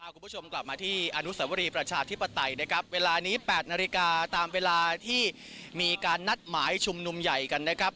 คุณผู้ชมกลับมาที่อนุสวรีประชาธิปไตยนะครับเวลานี้๘นาฬิกาตามเวลาที่มีการนัดหมายชุมนุมใหญ่กันนะครับ